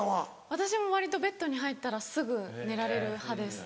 私も割とベッドに入ったらすぐ寝られる派です。